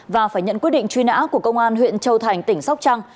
và phải nhận quyết định truy nã của công an huyện châu thành tỉnh sóc trăng